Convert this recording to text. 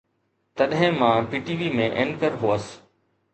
تڏهن مان P T V ۾ anchor هوس.